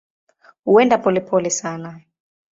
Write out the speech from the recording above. Huenda polepole sana.